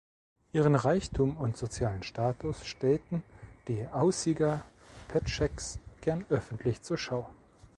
Ihren Reichtum und sozialen Status stellten die Aussiger Petscheks gern öffentlich zur Schau.